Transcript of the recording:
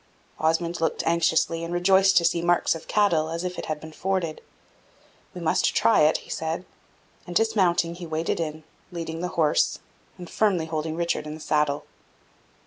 Osmond looked anxiously, and rejoiced to see marks of cattle, as if it had been forded. "We must try it," he said, and dismounting, he waded in, leading the horse, and firmly holding Richard in the saddle.